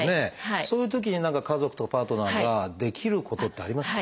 そういうときに家族とかパートナーができることってありますか？